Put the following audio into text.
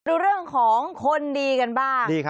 ดูเรื่องของคนดีกันบ้าง